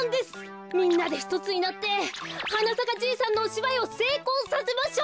みんなでひとつになって「はなさかじいさん」のおしばいをせいこうさせましょう！